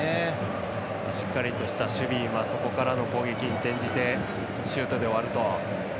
しっかりとした守備そこからの攻撃に転じてシュートで終わると。